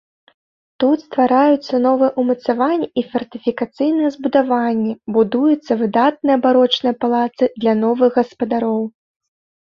Тут ствараюцца новыя ўмацаванні і фартыфікацыйныя збудаванні, будуюцца выдатныя барочныя палацы для новых гаспадароў.